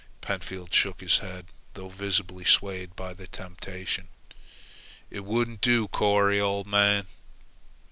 Pentfield shook his head, though visibly swayed by the temptation. "It won't do, Corry, old man.